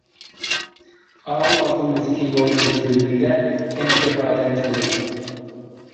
ئاۋۇ ئالدىمىزدىكى يولنىڭ تۆۋىنىدە يەنە بىر ئادەم تۇرىدۇ.